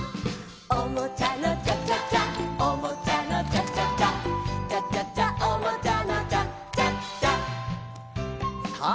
「おもちゃのチャチャチャおもちゃのチャチャチャ」「チャチャチャおもちゃのチャチャチャ」さあ